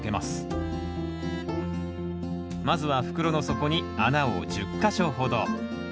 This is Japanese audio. まずは袋の底に穴を１０か所ほど。